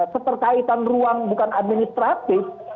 seterkaitan ruang bukan administratif